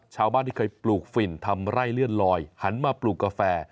ชาวบ้านที่เคยปลูกฝิ่นทำไร่เลื่อนลอยหันมาปลูกกาแฟ